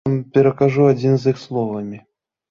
Перакажу адзін з іх сваімі словамі.